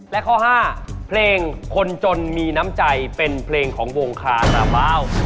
และข้อ๕เพลงคนจนมีน้ำใจเป็นเพลงของวงคาราบาล